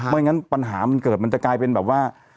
ไม่งั้นปัญหามันเกิดมันจะกลายเป็นแบบว่า